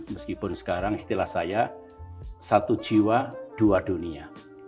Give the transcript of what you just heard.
meskipun sekarang istilah saya satu jiwa dua dunia